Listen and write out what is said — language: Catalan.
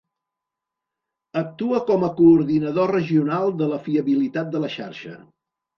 Actua com a coordinador regional de la fiabilitat de la xarxa.